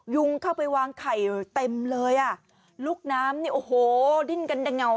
ยุงเข้าไปวางไข่เต็มเลยอ่ะลูกน้ำนี่โอ้โหดิ้นกันได้เหงา